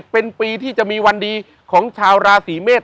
เป็นปีที่จะมีวันดีของชาวราศีเมษ